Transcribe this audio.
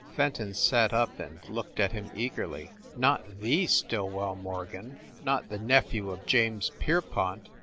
Fenton sat up and looked at him eagerly. "Not the Stillwell Morgan? Not the nephew of James Pierpont?"